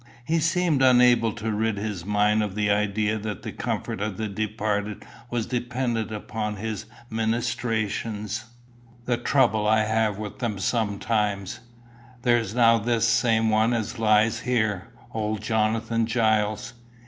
He seemed unable to rid his mind of the idea that the comfort of the departed was dependent upon his ministrations. "The trouble I have with them sometimes! There's now this same one as lies here, old Jonathan Giles.